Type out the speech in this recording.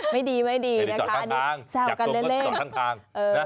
ไม่ดีนะคะสาวกันเล่น